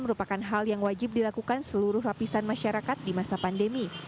merupakan hal yang wajib dilakukan seluruh lapisan masyarakat di masa pandemi